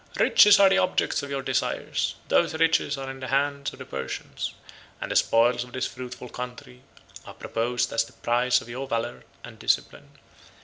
"Riches are the object of your desires; those riches are in the hands of the Persians; and the spoils of this fruitful country are proposed as the prize of your valor and discipline.